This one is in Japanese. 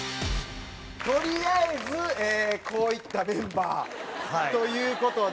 とりあえずこういったメンバーという事で。